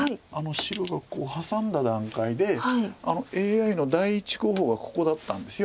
白がハサんだ段階でＡＩの第１候補がここだったんです。